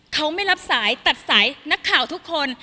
เขาไม่รับสายตัดสายนักข่าวทุกคน